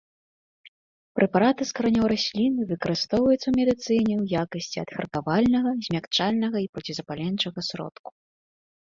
Прэпараты з каранёў расліны выкарыстоўваюцца ў медыцыне ў якасці адхарквальнага, змякчальнага і процізапаленчага сродку.